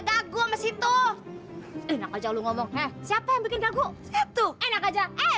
sampai jumpa di video selanjutnya